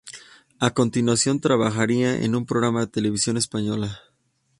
A continuación, trabajaría en un programa de Televisión Española.